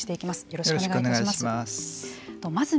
よろしくお願いします。